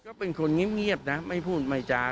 ก็เป็นคนเงี้ยบนะไม่พูดมายจาร์